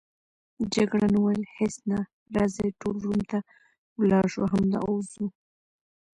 جګړن وویل: هیڅ نه، راځئ ټول روم ته ولاړ شو، همدا اوس ځو.